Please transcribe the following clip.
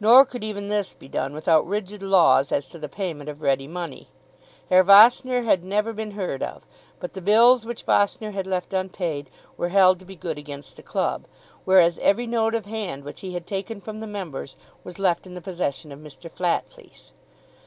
Nor could even this be done without rigid laws as to the payment of ready money. Herr Vossner had never more been heard of, but the bills which Vossner had left unpaid were held to be good against the club, whereas every note of hand which he had taken from the members was left in the possession of Mr. Flatfleece.